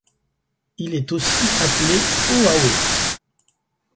Il est aussi appelé Hoaho.